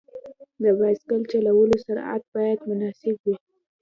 د بایسکل چلولو سرعت باید مناسب وي.